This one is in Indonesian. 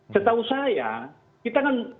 setahu saya kita kan